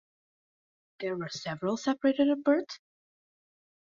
There were several Separated at Birth?